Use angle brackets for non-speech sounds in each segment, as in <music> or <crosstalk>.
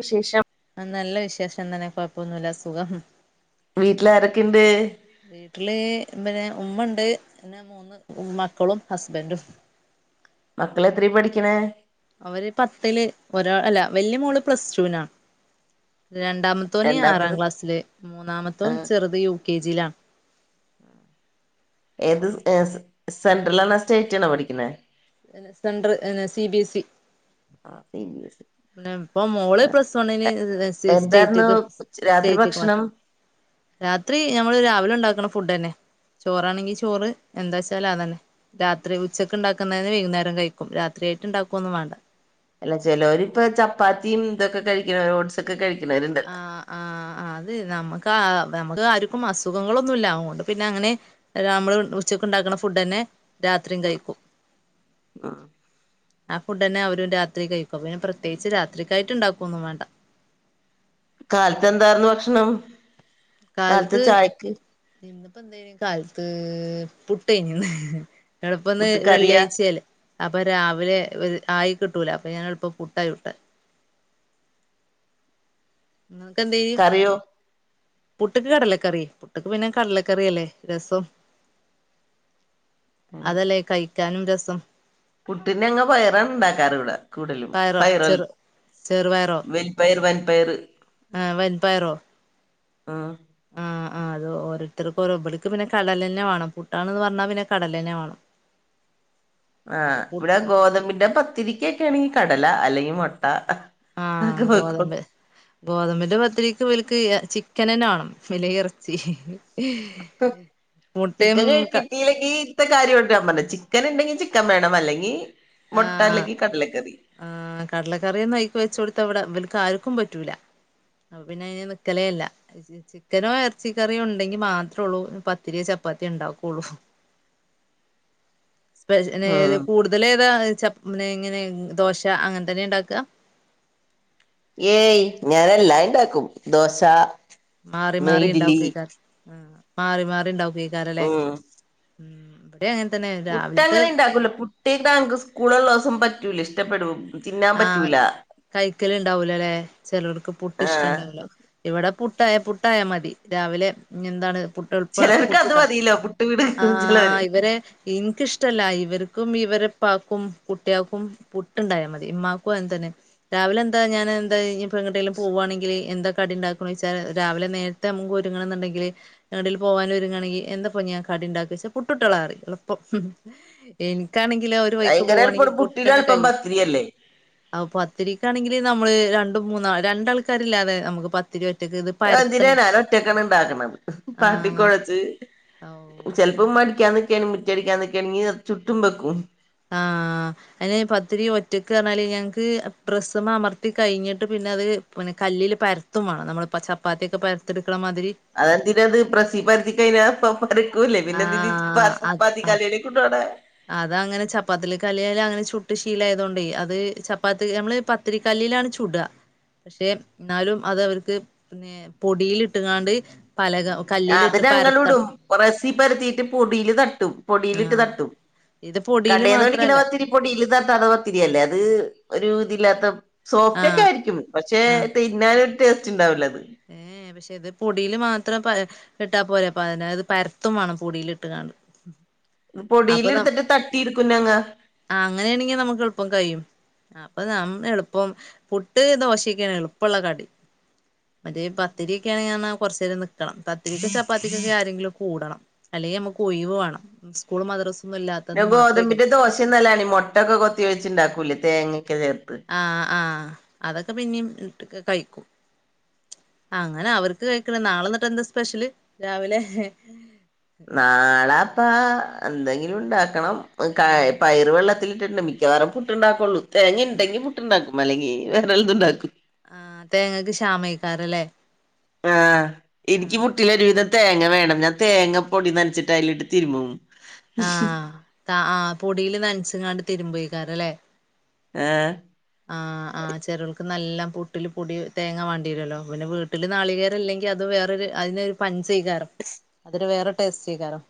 വിശേഷം ആഹ് നല്ല വിശേഷം തന്നെ കൊഴപ്പൊന്നുല്ല സുഖം വീട്ടിലാരെക്കെണ്ട് വീട്ടില് പിന്നെ ഉമ്മണ്ട് പിന്നെ മൂന്ന് മക്കളും ഹസ്ബൻഡും. മക്കള് എത്രേ പഠിക്കണെ അവര് പത്തില് ഒരാ അല്ല വല്യ മോള് പ്ലസ് ടൂവിനാ രണ്ടാമത്തോന് ആറാം രണ്ടാമത്തത് ക്ലാസ്സില് മൂന്നാമത്തോൻ ആഹ് ചെറുത് യു കെ ജി യിലാണ്. ഏത് എ സ് സെൻട്രൽ ആണ സ്റ്റേറ്റ് ആണ പഠിക്കണെ centre C B S E ആഹ് സി ബി എസ് ഇ പിന്നെ പ്പൊ മോള് ആ പ്ലസ് വണിന് എന്തായിരുന്നു സ്റ്റേറ്റക് രാത്രി സ്റ്റേറ്റക് മാറ്റ ഭക്ഷണം രാത്രി ഞമ്മൾ രാവിലെ ഉണ്ടാക്കണ ഫുഡന്നെ ചോറാണെങ്കി ചോറ് എന്താ വച്ചാല് അതന്നെ രാത്രി ഉച്ചക്ക് ഉണ്ടാക്കുന്നതെന്നെ വൈകുന്നേരം കഴിക്കും രാത്രിയായിട്ട് ഉണ്ടാക്കൊന്നും വാണ്ട അല്ല ചെലോരിപ്പോ ചപ്പാത്തിം ഇതൊക്കെ കഴിക്കണ ഓട്സൊക്കെ കഴിക്കണവരുണ്ടല്ലോ ആഹ് ആഹ് അത് നമ്മക്ക് ആഹ് നമ്മക്ക് ആർക്കും അസുഖങ്ങളൊന്നുല്ല അതോണ്ട് പിന്നെ അങ്ങനെ നമ്മള് ഉച്ചക്ക് ഉണ്ടാക്കുന്ന ഫുഡന്നെ രാത്രിയും കഴിക്കും ഉം ആഹ് ഫുഡന്നെ അവര് രാത്രി കഴിക്കും പിന്നെ പ്രത്യേകിച്ച് രാത്രിക്കായിട്ട് ഇണ്ടാക്കൊന്നും വേണ്ട. കാലത്ത് എന്തായിരുന്നു ഭക്ഷണം കാലത്ത് നിന്നപ്പോ എന്ത കാലത്ത് പുട്ടേനിന്ന് എളുപ്പ ഒന്ന് പുട്ട് കറിയാ വെള്ളിയാഴ്ചയല്ലേ അപ്പൊ രാവിലെ ഒരു ആയി കിട്ടൂല അപ്പൊ ഞൻ എളപ്പ പുട്ടായി വിട്ട് ഉ കണ്ട കറിയോ പുട്ടക്ക് കടലക്കറി പുട്ടക്ക് പിന്നെ കടലക്കറിയല്ലേ രസം അതല്ലേ കഴിക്കാനും രസം കുട്ടിന അങ്ങങ് പയറ ഉണ്ടാക്കാറ് ഇവിട കൂടുലും പയറോ പയറൽ ചെറു ചെറുപയറോ വൽപയർ വൻപയര് ആ ആഹ ആഹ ആ അത് ഓോരുത്തർും ഓരോന്ന് പിന്നെ കടൽ തന്നെ വേണം പുട്ടാന്ന് പറഞ്ഞാൽ പിന്നെ കടല തന്നെ വേണം ആഹ് അപ്പൊ പു ഇവിടെ ഗോതമ്പിന്റെ പത്തിരിക്കൊക്കെ ആണെങ്കിൽ കടല അല്ലെങ്കിൽ മുട്ട ആഹ അതൊക്കെ വെക്കും ഗോതമ്പ് ഗോതമ്പിന്റെ പതിരി ഇവർക്ക് ചിക്കന തന്നണണം പിന്നെ ഇറച്ചി മുട്ടയും ചിക്കൻ ക കിട്ടില്ലെങ്കി ഇത്തെ കാര്യംട്ട ഞാൻ പറഞ്ഞത് ചിക്കൻ ഉണ്ടെങ്കിൽ ചിക്കൻ വേണം അല്ലെങ്കിൽ ആ മുട്ട അല്ലെങ്കിൽ കടലക്കറി ആ കടലക്കറിയൊന്നും അഴക്കി വെച്ച കൊടുത്ത അവിടെ അവൽക്ക് ആർക്കും പറ്റൂല അപ്പ പിന്നെ അതിന് നിക്കല അല്ല ചിക്കനോ എറച്ചി കറിയോ ഉണ്ടെങ്കി മാത്രള്ളൂ പത്തിരിയോ ചപ്പാത്തിയോ ഉണ്ടാക്കുള്ളൂ. ഉം കൂടുതല ഏതാ ച ഇങ്ങനെ ദോശ അങ്ങനെന്നെ ഉണ്ടാക്കുക ഏയ് ഞാനല്ലാ ഉണ്ടാക്കും ആഹ മാറി മാറി ഇഡ്ലി ഉണ്ടാവക്കക്കാര് മാറി മാറി ഉണ്ടാവക്ക് ഈ കാരല്ലേ ഉം ഉ ഇവിടെ അങ്ങനെ തന്നെ പുട്ട രാവിലത്തെ അങ്ങനെ ഉണ്ടാക്കൂല പു ട്ടേക്ക് തക്ക് സ്കൂളള്ള ദിവസം പറ്റൂല ഇഷ്ടപ്പെടുല ആഹ കൈക്കല് ഇണ്ടാവൂലല്ലെ ചെിലൾക്ക് പുട്ട് ഇഷ്ടം ആഹ് ഇണ്ടാവൂല ഇവിടെ പുട്ടായ പുട്ടായ മതി രാവിലെ എന്താണ് ചിലർക്ക് അത് പുട്ടട്ട മതിയല്ലോ പുട്ട് ആ പിടിക്കും ചിലവര് ഇവരെ എനിക്കിഷ്ടല്ല ഇവർക്കും ഇവരെപ്പാക്കും കുട്ടികക്കും പുട്ടുണ്ടായാൽ മതി മാക്കു എന്തനെ രാവിലെ എന്താ ഞാൻ എന്താ ഇ എങ്ങട്ടെങ്കലും പോകുവാണെങ്കിൽ എന്താ കടി ഉണ്ടാക്ക വെച്ചാൽ രാവിലെ നേര മ ഒരുങ്ങ എന്നുണ്ടെങ്കില് ടൽ പോവാാൻ വങ്ങയാണെങ്കിൽ എന്താപ്പൊ ഞാൻ കടി ഉണ്ടാക്കി വെച്ച പുട്ടുട്ടളാറി എളപ്പം എനിക്കാണെങ്കിലോ ഒരു വഴിക്ക് ഭയങ്കര പോവാണെങ്കി എല്പ്പം കുട്ടിെ പുട്ടെന്നെ എലപ്പം കയ്യും പത്തിരിയല്ലേ അപ്പൊ പത്തിരിക്കാണെങ്കില് നമ്മള് രണ്ടും മൂന്നാ രണ്ടാൾക്കാരില്ലാതെ നമുക്ക് പത് ഒത്തിരി ഒറ്റക്കത് എന്തിനനാല ഒറ്റക്കണ ഇണ്ടാക്കണത് ആഹ് പാട്ടിക്കൊഴച്ച് ചിലപ്പം ഔ മടിക്കാൊക്കാണ് മുറ്റടിക്കാൻന്നൊക്കുകയാണെങ്കി ചുും വെക്കും ആഹ അതിന് പത്തിരി ഒറ്റക്ക് റഞ്ഞാല് ഞങ്ങക്ക് ഡ്രസ്സമ്മ അമർത്തി കഴിഞ്ഞിട്ട് പിന്നെ അത് പിന്നെ കല്ലില് പര തുമാണ് നമ്മളിപ്പൾ ചപ്പാത്തിയക്കെ പരത്തെടുക്കുന്ന മാതിരി അതെന്തിന അത് പ്രസി പരത്തി കഴഞ്ഞ പ പരക്കുംല്ലേ പിന്നെ എന്തിന ആഹ് പപ്പാത്തി കല് <unintelligible> അത അങ്ങനെ ചപ്പാത്തിൽ കലിയാലല് അങ്ങനെ ചുട്ട് ശീല ആയത കൊണ്ട് അത് ചപ്പാത്തി നമ്മള് പ ഒത്തിരി കല്ലിലാണ് ചൂട പക്ഷെ എന്നാലും അത് അവർക്ക് <unintelligible> പൊടിൽട്ടുകാണ്ട് പലക അത് കല്ലിലിട്ട് ഞങ്ങളും ഇടും പരത്തണം കൂറസി പരത്തിട്ട് പൊടിൽ തട്ടും പൊടിയിലിട്ട് ആഹ് തട്ടും ഇത് പൊടിയില് കടൽന്ന് <unintelligible> മാത്രല്ല ന്നത്തിരി പോടിഇലുതാത്ത പത്തിരില്ലേ അത് ഒരു ഇതില്ലാത്ത സോഫ്റ്റ് ഒക്കെ ആഹ് ആയിരിക്കും പക്ഷേ തിന്നനൊരു ടേസ്റ്റ് ഉണ്ടാവല അത് ഏഹ് പക്ഷെ ഇത് പൊടിയിൽ മാത്രം ഇട്ടാൽ പോര അപ്പൊ അതിനത് പരത്തും വേണം പൊടിയിൽ ഇട്ട്ക്കാണ്ട് പൊടിൽ എടുത്തിട്ട് തട്ടി എടുക്കും ഞങ്ങൾ ആഹ് അങ്ങനെ ആണെങ്കിൽ നമുക്ക് എളുപ്പം കഴിയും അപ്പൊ നമ് എളുപ്പം പുട്ട് ദോശക്കാണ് എളുപ്പമുള്ള കടി മറ്റേ പത്തരിക്കെ ആണെങ്കിൽ കുറച്ച നേരം നിൽക്കണം പത്തിരിക്കും ചപ്പാത്തിക്കൊക്കെ ആരെങ്കിലും കൂടണം അല്ലെങ്കിൽ നമുക്ക് ഒയിവ് വേണം സ്കൂളും മദ്രസ ഒന്നും ഇല്ലാത്തന്ന് മാത്രമേ കഴിയൂ <unintelligible> മൊട്ട ഒക്കെ കൊത്തി ഉണ്ടാക്കൂലേ തേങ്ങൊക്കെ ചേർത്ത് ആഹ് ആഹ് അതൊക്കെ പിന്നെയും കഴിക്കും അങ്ങനെ അവർക്ക് കഴിക്കണ നാളെ എന്നിട്ട് എന്താ സ്പെഷ്യല് രാവിലെ നാളെ പ്പ എന്തെങ്കിലും ഉണ്ടാക്കണം കയ ഉം പയർ വെള്ളത് തിലിട്ടിട്ടുണ്ട് മിക്കവാറും പുട്ടുണ്ടാക്കുള്ളൂ തേങ്ങ ഉണ്ടെങ്കിൽ പുട്ട്ണ്ടാക്കും അല്ലെങ്കിൽ വേറെ വല്ലതു ഉണ്ടാക്കും ആഹ് തേങ്ങക്ക് ശ്യാമായിക്കാറല്ലേ ആഹ് എനിക്ക് ആഹ് പുട്ടിലൊരുവിതം തേങ്ങ വേണം ഞാൻ തേങ്ങ പൊടി നനച്ചിട്ട് അതിലിട്ട് തിരുമും ഉ ആഹ് ആഹ് പൊടിൽ നനച്ചുക്കാണ്ട് തിരുമ്പോഴക്കാറല്ലേ ആഹ് ഉ ആഹ് ചെലോൾക്ക് നല്ലാം പുട്ടിൽ പൊടി തേങ്ങ വേണ്ടി വരുമല്ലോ പിന്നെ വീട്ടിൽ നാളികേരമില്ലെങ്കിൽ അത് വേറൊരു അതിനൊരു <unintelligible> കാരം അതൊരു വേറെ ടേസ്റ്റ് ആയിക്കാരം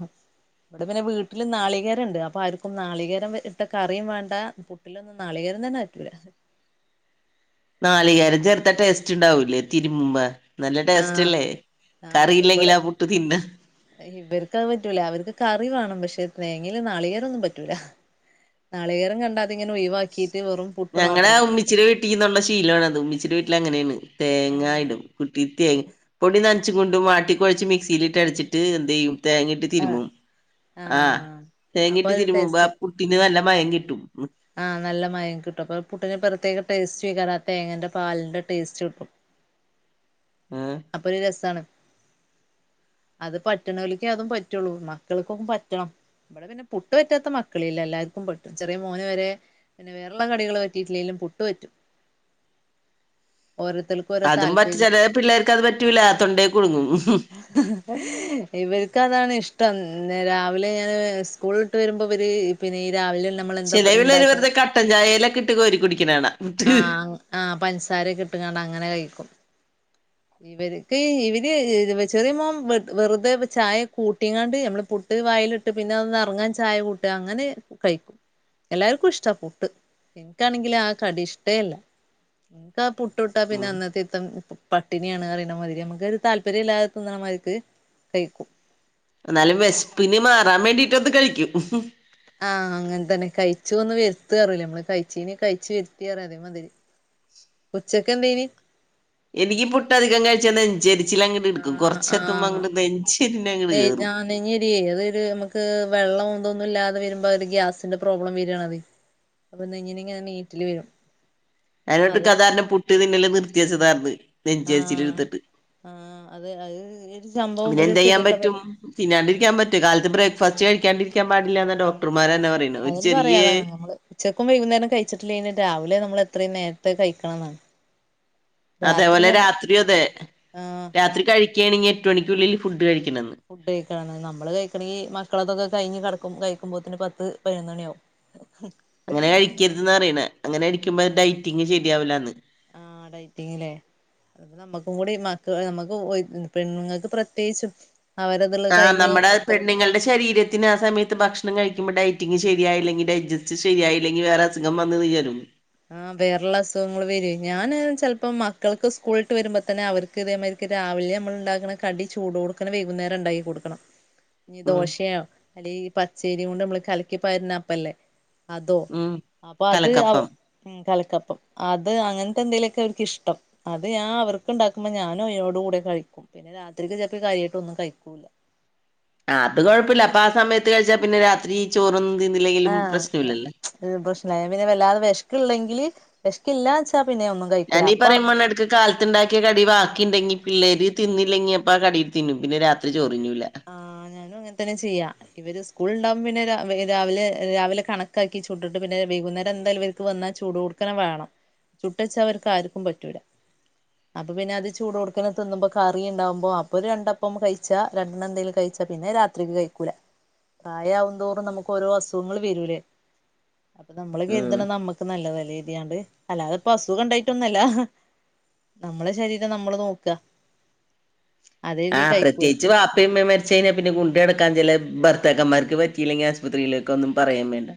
ഇവിടെ പിന്നെ വീട്ടിൽ നാളികേര ഇണ്ട് അപ്പൊ ആർക്കും നാളികേരം ഇട്ട കറിയും വേണ്ട പുട്ടിലൊന്നും നാളികേരം തന്നെ റ്റൂല നാളികേരം ചേർത്ത ടേസ്റ്റ് ഉണ്ടാവൂലേ തിരുബുമ്പോ നല്ല ആഹ് ടേസ്റ്റ്അല്ലേ കറിയില്ലെങ്കിൽ ആ പുട്ട് തിന്ന ഇവർക്ക അത് പറ്റൂല അവർക്ക് കറി വേണം പക്ഷെ തേങ്ങില നാളികരൊന്നും പറ്റൂല നാളികേരം കണ്ടാൽ അത് ഇങ്ങനെ ഒഴിവാക്കിട്ട് വെറും പുട്ട് മാത്രം വെക്കും <unintelligible> ശീലണ അത് ഉമ്മച്ചിടെ വീട്ടിൽ അങ്ങനെയാണ് ആഹ് തേങ്ങായിടും കുട്ടി <unintelligible> പൊടി നനച്ച് കൊണ്ടും വാട്ടിക്കൊഴച്ച് മിക്സിയിലിട്ട് അടച്ചിട്ട് എന്ത് ചെയ്യും തേങ്ങയിട്ട് ആഹ് തിരുമ്പും ആഹ് അപ്പൊ തേങ്ങയിട്ട് ഒരു ടേസ്റ്റ് തിരുബുമ്പോ ട്ടിന് നല്ല മയം കിട്ടും ആഹ് നല്ല മയം കിട്ടും അപ്പൊ പുട്ടിന് പ്രേത്യേക ടേസ്റ്റഉം അക്കാര്യം ആ തേങ്ങന്റെ പാലിന്റെ ടേസ്റ്റ് കിട്ടും ആഹ് അപ്പൊ ഒരു രസണ് അത് പറ്റുന്നോൾക്കെ അതും പറ്റുള്ളൂ മക്കൾക്കൊന്നും പറ്റണം ഇവിടെ പിന്നെ പുട്ട് പറ്റാത്ത മക്കളില്ല എല്ലാവർക്കും പറ്റും ചെറിയ മോന് വരെ പിന്നെ വേറേ ഉള്ള കടികൾ പറ്റിയിട്ടില്ലെങ്കിലും പുട്ട് പറ്റും ഓരോരുത്തളു അതും മറ്റ് ചില പിള്ളേർക്ക് അത് പറ്റൂല തൊണ്ടേൽ കുടുങ്ങും ഇവർക്ക അതാണ് ഇഷ്ടം രാവിലെ ഞാന് സ്കൂൾ <unintelligible> വരുമ്പോ ഇവര് പിന്നെ രാവിലെ നമ്മളെന്താ ചില പിള്ളാര് വെറുതെ ഉണ്ടാക്കണത് കട്ടൻ ചായയിലൊക്കെ ഇട്ട് കോരി കുടിക്കുന്നത് കാണ ആഹ് ആഹ് പഞ്ചസാര ഒക്കെ ഇട്ട്ക്കാണ്ട് അങ്ങനെ കഴിക്കും അ ഇവർക്ക് ഇവര് ചെറിയ മോൻ വെറുതെ ചായ കൂട്ടിക്കാണ്ട് നമ്മള് പുട്ട് ഇട്ട് വായിലിട്ട് പിന്നെ അതോന്ന് എറങ്ങാൻ ചായ കൂട്ടി അങ്ങനെ കഴിക്കും എല്ലാവർക്കും ഇഷ്ട പുട്ട് എനിക്കാണെങ്കിൽ ആ കടി ഇഷ്ടെ അല്ല എനിക്ക് ആ പുട്ട ച്ചുട്ടാ പിന്നെ ഉം അന്നത്തെ ഇത്തം പട്ടിണിയാണ് പറയെണ മതിരി നമുക്ക ഒരു താല്പര്യം ഇല്ലാതെ തിന്നമാതിരിക്ക് കഴിക്കും എന്നാലും വിശപ്പിന് മാറാൻ വേണ്ടിട്ട് ഒന്ന് കഴിക്കും ആഹ് അങ്ങനെ തന്നെ കഴിച്ചുന്ന് വെർതാണ് ലെ മ്മള് കഴിച്ചീന് കഴിച്ചു വെറുതി അറിഞ് അതേമാതിരി ഉച്ചക്ക് എന്തെനീ എനിക്ക് പുട്ട് അതികം കഴിച്ചാ നെഞ്ചരിച്ചിൽ അങ്ങിട്ട്ടുക്കും ആഹ് കുറച്ചെത്തുമ്പോ അങ്ങോട്ട നെഞ്ചരി അങ്ങോട്ട് കയറും നെഞ്ഞെറി അത് ഇത് നമുക്ക് വെള്ളം ഒന്തോന്നും ഇല്ലാതെ വരുമ്പോ ഒരു ഗ്യാസിന്റെ പ്രോബ്ലം വിരണത് അപ്പൊ നെഞ്ഞിനിങ്ങന നീറ്റല് വരും അത് അങ്ങോട്ട്ക്കകാരണം പുട്ട് തിന്നല് നിർത്തിയച്ചതായിര്ന്ന് ആഹ് ആഹ് അത് അത് സംഭവം പിന്നെ ഒരു എന്ത് ചെയ്യാൻ കേതിയേട്ടാ പറ്റും പരി തിന്നാണ്ടിരിക്കാൻ പറ്റോ കാലത്ത് ബ്രേക്ക്ഫാസ്റ്റ് കഴിക്കാണ്ടിരിക്കാൻ പാടില്ലാന്ന ആഹ് ഡോക്ടർമാരന്നെ പറയണ ഒരു അതിന് ചെറിയെ പറയാതാണ് നമ്മള് ഉച്ചക്കും വൈകുന്നേരം കഴിച്ചിട്ടില്ലെനും രാവിലെ നമ്മള് എത്രയും നേരത്തെ കയിക്കണം എന്നാണ് അതേപോലെ രാത്രി അതെ ആഹ് രാത്രി കഴിക്കേണെങ്കി എട്ടു മണിക്കുള്ളിൽ ഫുഡ് കഴിക്കണന്ന് ഫുഡ് കഴിക്കണെന്നെങ്കി നമ്മള് കഴിക്കണെങ്കി മക്കളൊക്കൊക്കെ കയിഞ്ഞ് കെടക്കും കഴിക്കുമ്പോത്തന്നെ പത്ത് പതിനൊന്ന് മണിയാവും ഹ് അങ്ങനെ കഴിക്കരുതെന്ന അറീണെ അങ്ങനെകഴിക്കുമ്പോ ഡൈറ്റിങ്ങ് ശരിയാവൂലാന്ന് ആ ഡൈറ്റിങ്ങിലേ അ നമ്മുക്കും കൂടി മക്ക് നമുക്ക് പെണ്ണുങ്ങൾക്ക് പ്രത്യേകിച്ചും അവരതുള്ള ആ കഴിഞ്ഞ് നമ്മുടെ പെണ്ണുങ്ങളുടെ ശരീരത്തിന് ആ സമയ അത് ഭക്ഷണം കഴിക്കുമ്പോ ഡയറ്റിങ്ങ് ശരിയായില്ലെങ്കി ഡയജസ്റ്റ് ശരിയായില്ലെങ്കി വേറെ അസുഖം വന്ന് ഇത് ഉയരും ആഹ് വേറുള്ള അസുഖങ്ങള് വരൂ ഞാന് ചെലപ്പോ മക്കൾക്ക് സ്കൂൾട്ട് വരുമ്പോ തന്നെ അവർക്ക് ക്തെമേരിക്ക് രാവിലെ നമ്മൾ ഉണ്ടാക്കണ കടി ചൂടോടക്കണേ വൈകുന്നേരം ഉണ്ടാക്കി കൊടുക്കണം <unintelligible> ഇനി ദോശയോ അല്ലെയി പച്ചേരിയും കൊണ്ട് നമ്മള് കലക്കിപാരിനെപ്പല്ലേ അതോ ഉം അപ്പൊ അത് ആ കലക്കപ്പം ഉം കലതക്കപ്പം അത് അങ്ങനത്തെ എന്തേലുമൊക്കെ അവർക്കിഷ്ടം അത് ഞാ അവർക്കുണ്ടാക്കുമ്പോ ഞാനും അയോട് കൂടെ കഴിക്കും പിന്നെ രാത്രിക്ക് ചിലപ്പൾ കാര്യമായിട്ടൊന്നും കഴിക്കൂല ആ അത് കുഴപ്പില്ല അപ്പ ആ സമയത്ത് കഴിച്ചാ പിന്നെ രാത്രി ചോറൊന്നും തിന്നില്ലെങ്കിലും പ്രശ്നം ഇല്ലല്ല പ്രശ്നില്ല ഞാൻ പിന്നെ വല്ലാതെ വെശ്ക്ക്ള്ളെങ്കില് വെശ്ക്കില്ലാ വെച്ചാ പിന്നെ ഒന്നും കഴിക്കൂല ഞാനീ അപ്പൊ പറയുംപോണട് കാലത്തുണ്ടാക്കിയ കടി ബാക്കിണ്ടെങ്കി പിള്ളേര് തിന്നില്ലെങ്കി അപ്പ ആ കടിയിടുത്ത് തിന്നും പിന്നെ രാത്രി ചോറിന്നൂല <unintelligible> അങ്ങനത്തന്നെ ചെയ്യാ ഇവര് സ്കൂൾ ഉണ്ടാവുമ്പോ പിന്നെ രാവ് രാവിലെ രാവിലെ കണക്കാക്കി ചുട്ടിട്ട് പിന്നെ വൈകുന്നേരം എന്താലും ഇവർക്ക് വന്നാ ചൂട് കൊടു ക്കണം വേണം ചുട്ടെച്ച അവർക്ക് ആർക്കും പറ്റൂല അപ്പൊ പിന്നെ അത് ചൂട് കൊടുക്കനെ തിന്നുമ്പോ കറി ണ്ടാവുമ്പോ അപ്പൊ രണ്ടപ്പം കഴിച്ച രണ്ടണ്ണം എന്തേലും കഴിച്ചാ പിന്നെ രാത്രിക്ക് കഴിക്കൂല പ്രായാവുന്തോറും നമുക്ക് ഓരോ അസുഖങ്ങള് വരൂലേ അപ്പൊ നമ്മള് ഉം കെരുതണ നമ്മുക്ക് നല്ലതല്ലേകെർത്തിയണ്ടഅല്ലാതെപ്പസുഖണ്ടായിട്ടൊന്നുഅല്ല നമ്മളെ ശരീരം നമ്മള് നോക്ക അതെഴുതി ആഹ് കഴിക്കൂല പ്രത്യേയിച്ച് വപ്പേം ഉമ്മേം മരി ച്ചേന്നെ പിന്നെഗുണ്ടെടുക്കാൻ ചില ഭർത്തകന്മാർക്ക് പറ്റിലെങ്കി ആസ്പത്രിയിലേക്കൊന്നും പറയേം മേണ്ട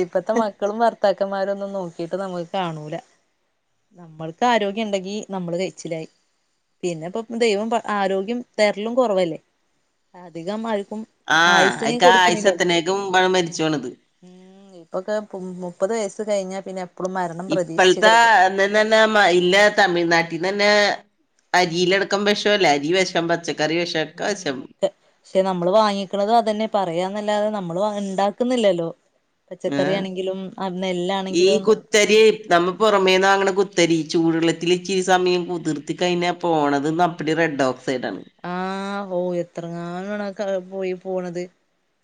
ഇപ്പത്തെ മക്കളും ഭർത്താക്കന്മാരും ഒന്നും നോക്കിട്ട് നമുക്ക് കാണൂല നമ്മൾക്ക് ആരോഗ്യം ഉണ്ടെങ്കി നമ്മള് കഴിച്ചിലായി പിന്നെപ്പം ദൈവം ആരോഗ്യം തെരലും കുറവല്ലേ അധികം ആരക്കും ആഹ് അയിക്ക ആയുസത്തനേക്കും പഴ മരിച്ചോണത് ഉം ഇപ്പൊക്കെ മുപ്പത് വയസ്സ് കഴിഞ്ഞാ പിന്നെ എപ്പഴും മരണം പ്രതീക്ഷിച്ച് ഇപ്പോഴത്തെ കഴിയാം തന്നെ മയില്ല തമിഴ്നാട്ടിന്ന് തന്നെ അരീലൊടുക്കം വെഷല്ലേ അരി വെഷം പച്ച കറി വെഷം ഒക്ക വെഷം ക്ഷെ നമ്മള് വാങ്ങിക്കണതും അതന്നെ പറയാന്നല്ലാതെ നമ്മള് ഉണ്ടാക്കുന്നില്ലല്ലോ പച്ചക്കറി ഏഹ് ആണെങ്കിലും അ നെല്ലാണെങ്കിലും ഒന്നും ത്തരി നമ്മ പുറമേന്നാങ്ങണ കുത്തരി ചൂടുള്ളത്തില് ഇച്ചിരി സമയം കുതിർത്തി കഴിഞ്ഞ പോണത്ന്ന് അപ്പടി റെഡ് ഓക്സൈഡ് ആണ് ആഹ് ഓഹ് എത്രങ്ങാലണ പോയി പോണത്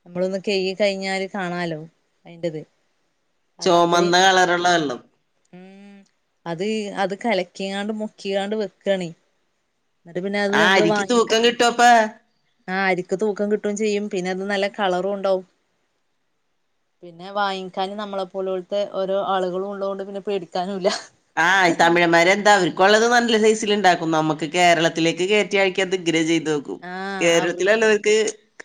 നമ്മളൊന്ന് കയി കഴിഞ്ഞാല് കാണാലോ അയിന്റത് അത് ചൊമന്ന അത്രയും കളറുള്ള വെള്ളം ഉം അത് അത് കലക്കിയാണ്ട് മുക്കിയാണ്ട് വെക്കണി എന്നിട്ട് പിന്നെ അത് ആ നമ്മള് അരിക്ക് വാങ്ങിക്ക തൂക്കം കിട്ടുവപ്പ ആ അരിക്ക് തൂക്കം കിട്ടുകയും ചെയ്യും പിന്നെ അത് നല്ല കളറും ഉണ്ടാവും പിന്നെ വാങ്ങിക്കാനും നമ്മളെപ്പോല പോലത്തെ ഓരോ ആളുകളും ഉള്ളതുകൊണ്ട് പിന്നെ പേടിക്കാനുല്ല ആഹ് തമിഴ്മാരെ എന്താ ക്കള്ളത് നല്ല സൈസൽ ഉണ്ടാക്കും നമുക്ക് കേരളത്തിലേക്ക് കയറ്റിയക്ക അത്ഇങ്ങനെ ചെയ്തും ആ അവർ കേരളത്തിലുള്ളവർക്ക്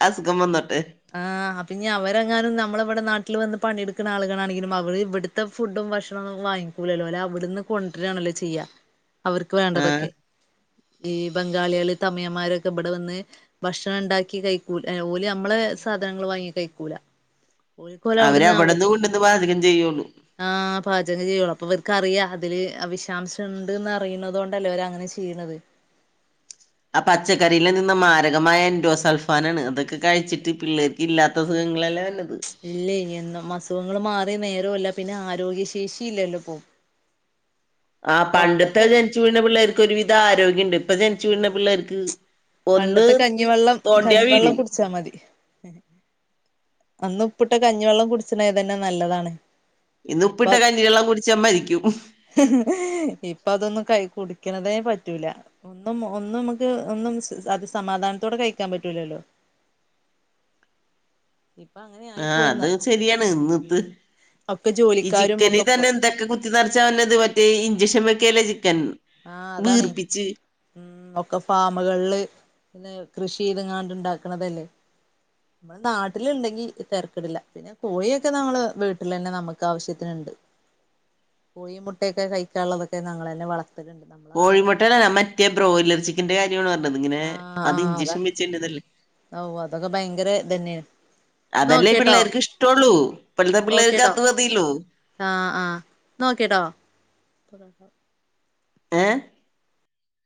അസുഖം വന്നട്ടൊ ആഹ പിനി അവരെങ്ങാനും നമ്മള ഇവിടെ നാട്ടിൽ വന്ന് പണിയെടുക്കുന്ന ആളുകളാണെങ്കിലും അവര് ഇവിടു ഇത്ത ഫുഡും ഭക്ഷണൊന്നും വാങ്ങിക്കൂലല്ലോ അല്ല അവിടുന്ന് കൊണ്ടിരായാണല്ലോ ചെയ്യാം അവർക്ക് ആ വേണ്ടതൊക്കെ ഈ ബംഗാളികള് തമ്മിയന്മാരൊക്കെ ഇവിടെ വന്ന് ഭക്ഷണം ഉണ്ടാക്കി കഴിക്കൂ ഓലു നമ്മളെ സാധനങ്ങൾ വാങ്ങി കഴിക്കൂല ഓൽക്കോല് അവര് അവിടെന്ന് കൊണ്ടുവന്ന് ബാചകം ചെയ്യുള്ളൂ ആഹ പാചകം ചെയ്യുള്ളൂ അപ്പൊ ഇവർക്കറിയാം അതില് വിഷാംശം ഉണ്ട്ന്ന് അറിയുന്നത കൊണ്ടല്ലേ അവര് അങ്ങനെ ചെയ്യുന്നത് ആ പച്ചക്കറിൽ നിന്ന് മാരകമായ എൻഡോ സൽഫാൻ ആണ് അതൊക്കെ കഴിച്ചിട്ട് പിള്ളേ ഇല്ലാത്ത സുഖങ്ങളല്ലേ വന്നത് ഇല്ല ഇന്നും അസുഖങ്ങൾ മാറി നേരമല്ല പിന്നെ ആരോഗ്യശേഷി ഇല്ലല്ലോ പോ ആ പണ്ടത്തെ ജനിച്ചു വീണ പിള്ളേർക്ക് ഒരുവിധം ആരോഗ്യണ്ട് ഇപ്പൊ ജനിച്ചു വീഴുന്ന ഓ പിള്ളേർക്ക് ഒന്ന് പണ്ടത്തെ കഞ്ഞിവെള്ളം തോണ്ടിയാ കഞ്ഞിവെള്ളം വീഴും കുടിച്ചാ മതി അന്ന് ഉപ്പിട്ട കഞ്ഞിവെള്ളം കുടിച്ചണ തന്നെ നല്ലതാണ് ഇന്ന് ഉപ്പിട്ട കഞ്ഞി വെള്ളം കുടച്ച് മരിക്കും ഇപ്പ അതൊന്നും കൈ കുടിക്കണതേ പറ്റൂല ഒന്നും ഒന്നും നമുക്ക് ഒന്നും അത് സമാധാനത്തോടെ കഴിക്കാൻ പറ്റൂലല്ലോ ഇപ്പൊ അങ്ങനെ ആയി ആഹ പോയിന്ന അത് ശരിയാണ് ഇന്നിത്ത് ഒക്കെ ഈ ജോലിക്കാരും ചിക്കനിൽ ഒക്കെ പോ തന്നെ എന്തൊക്കെ കുത്തി നിറച്ചാ പറന്നത് മറ്റേ ഇഞ്ചക്ഷൻ വെക്കല്ലേ ചിക്കൻ ആഹ അതാണ് വീർപ്പിച്ച് ഉം ഒക്കെ ഫാമുകളില് പിന്നെ കൃഷി ചെയ്തങ്ങാണ്ട് ഇണ്ടാക്കണതല്ലേ നമ്മൾ നാട്ടില ഉണ്ടെങ്കി തെരക്കിടില്ല പോയൊക്കെ നമ്മൾ വീട്ടിൽ തന്നെ നമുക്ക് ആവശ്യത്തിനുണ്ട് കോഴി മുട്ടയൊക്കെ കഴിക്കാനുള്ളതൊക്കെ ഞങ്ങള തന്നെ വളർത്തിട്ടണ്ട്മ്മളെ നാടൻ മറ്റയാ ബ്രോയിലർ ചിക്കന്റെ കാര്യമാണ് പറഞ്ഞത് ഇങ്ങനെ അത് ഇഞ്ചെക്ഷൻ വെച്ചണ്ടല്ലേ ഓ അതൊക്കെ ഭയങ്കര തന്നെയാണ് അതല്ലേ പിള്ളേർക്ക് ഇഷ്ടള്ളു ഇപ്പോഴത്തെ പിള്ളേർക്ക് അത്മതില്ലോ ആഹ ആഹ നോക്കിട്ടോ തുറക്ക ഏഹ